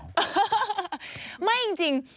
คนลุกก็เห็นหรือเปล่า